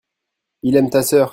il aime ta sœur.